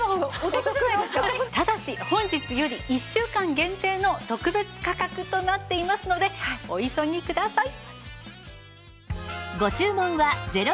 ただし本日より１週間限定の特別価格となっていますのでお急ぎください。